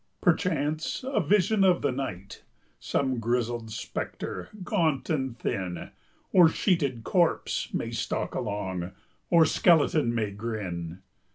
Perchance a vision of the night, Some grizzled spectre, gaunt and thin, Or sheeted corpse, may stalk along, Or skeleton may grin.